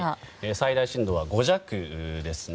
最大震度は５弱ですね。